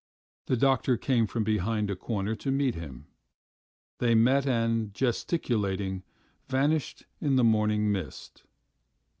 The doctor came from behind a corner to meet him. ... They met and, gesticulating, vanished in the morning mist.